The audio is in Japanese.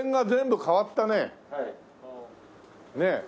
ねえ。